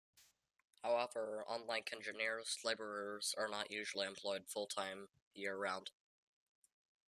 However, unlike engineers, laborers are not usually employed full-time year round.